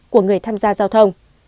của người tham gia giao thông